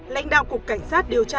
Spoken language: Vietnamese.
lãnh đạo cục cảnh sát điều tra